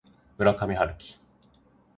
村上春樹